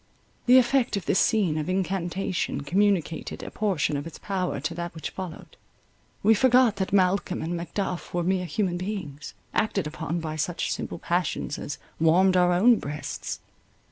The effect of this scene of incantation communicated a portion of its power to that which followed. We forgot that Malcolm and Macduff were mere human beings, acted upon by such simple passions as warmed our own breasts.